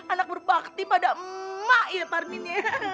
anak berbakti pada emak ya parmit